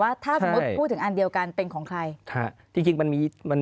ว่าพูดถึงอันเดียวกันเป็นของใครค่ะที่จริงมันมีมันมี